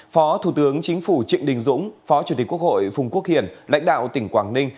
phó thủ tướng chính phủ trịnh đình dũng phó chủ tịch quốc hội phùng quốc hiển lãnh đạo tỉnh quảng ninh